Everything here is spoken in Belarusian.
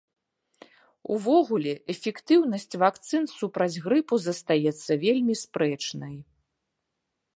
Увогуле, эфектыўнасць вакцын супраць грыпу застаецца вельмі спрэчнай.